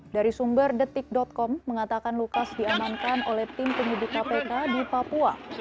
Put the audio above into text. dari sumber detik com mengatakan lukas diamankan oleh tim penyidik kpk di papua